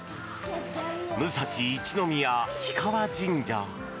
武蔵一宮氷川神社。